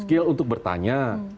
skill untuk bertanya